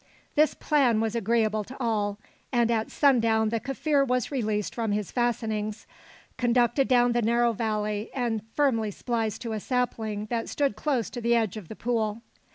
This plan was agreeable to all; and at sundown the Kaffir was released from his fastenings, conducted down the narrow valley, and firmly spliced to a sapling that stood close to the edge of the pool.